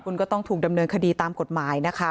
คุณก็ต้องถูกดำเนินคดีตามกฎหมายนะคะ